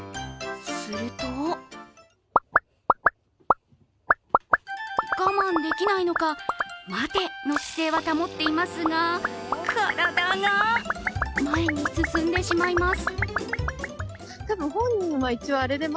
すると我慢できないのか、待ての姿勢は保っていますが体が前に進んでしまいます。